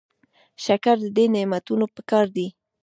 شکر د دې نعمتونو پکار دی.